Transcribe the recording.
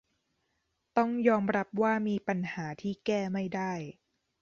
ต้องยอมรับว่ามีปัญหาที่แก้ไม่ได้